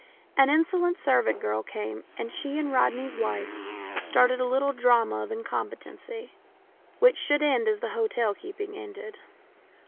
An insolent servant girl came, and she and Rodney's wife started a little drama of incom petency, which should end as the hotel keeping ended.